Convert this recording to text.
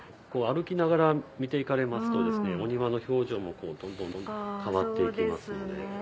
歩きながら見ていかれますとお庭の表情もどんどん変わっていきますので。